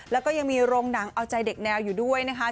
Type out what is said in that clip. แล้วก็ยังมีโรงหนังเอาใจเด็กแนวอยู่ด้วยนะคะ